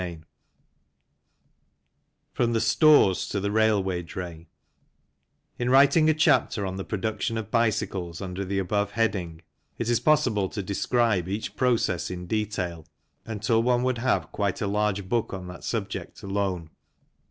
CHAPTER V FROM THE STORES TO THE RAILWAY DRAY IN writing a chapter on the production of bicycles under the above heading it is possible to describe each process in detail until one would have quite a large book on that subject alone.